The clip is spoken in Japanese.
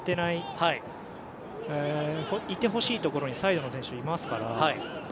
いてほしいところにサイドの選手、いますから。